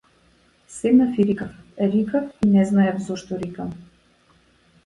Седнав и рикав, рикав и не знаев зошто рикам.